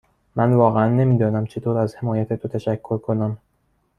من واقعا نمی دانم چطور از حمایت تو تشکر کنم.